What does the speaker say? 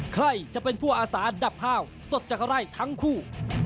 ใครจะเป็นผู้อาสาดับห้าวสดจากไร่ทั้งคู่